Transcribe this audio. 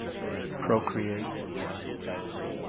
Procreate.